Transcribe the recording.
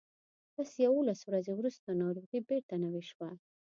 لس یوولس ورځې وروسته ناروغي بیرته نوې شوه.